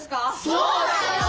そうだよ！